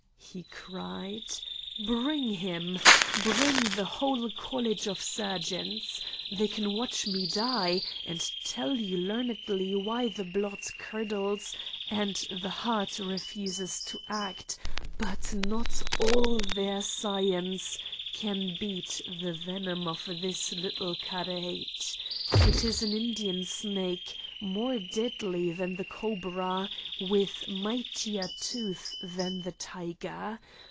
he cried. "Bring him! Bring the whole College of Surgeons. They can watch me die, and tell you learnedly why the blood curdles and the heart refuses to act, but not all their science can beat the venom of the little karait. It is an Indian snake, more deadly than the cobra, with mightier tooth than the tiger.